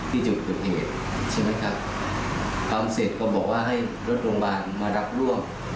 ที่จุดเกิดเหตุใช่ไหมครับทำเสร็จก็บอกว่าให้รถโรงพยาบาลมารับรวบ